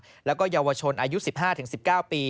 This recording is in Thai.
หัวหน้าแก๊งยันหว่างและเยาวชนอายุ๑๕๑๙ปี